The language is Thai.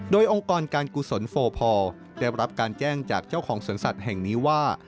โดยองค์กรการกุศลโฟพอลได้รับการแจ้งจากเจ้าของสวนสัตว์แห่งนี้ว่า